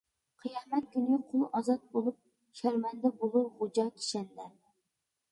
قىيامەت كۈنى قۇل ئازاد بولۇپ، شەرمەندە بولۇر غوجا كىشەندە.